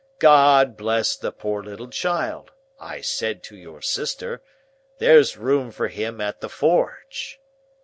God bless the poor little child,' I said to your sister, 'there's room for him at the forge!